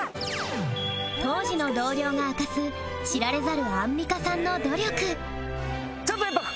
当時の同僚が明かす知られざるアンミカさんの努力